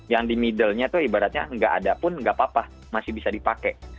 yang di middle nya tuh ibaratnya nggak ada pun nggak apa apa masih bisa dipakai